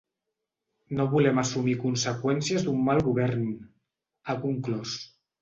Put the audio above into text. No volem assumir conseqüències d’un mal govern, ha conclòs.